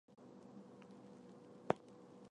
科代布龙德。